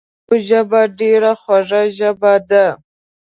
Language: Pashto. پښتو ژبه ډیره خوږه ژبه ده